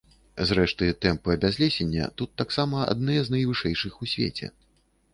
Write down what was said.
Зрэшты, тэмпы абязлесення тут таксама адныя з найвышэйшых у свеце.